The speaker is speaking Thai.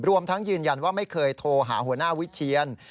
รวมทั้งยืนยันว่าไม่เคยโทรหาหัวหน้าวิเชียน